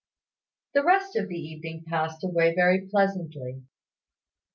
The rest of the evening passed away very pleasantly.